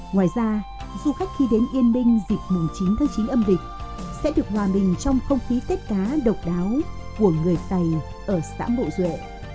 ngoài ra du khách khi đến yên minh dịp chín tháng chín âm lịch sẽ được hòa bình trong không khí tết cá độc đáo của người tài ở xã bộ duệ